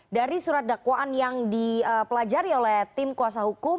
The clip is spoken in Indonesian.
dari surat dakwaan yang dipelajari oleh tim kuasa hukum